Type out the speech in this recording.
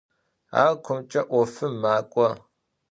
Ar kumç'e 'ofım mek'o.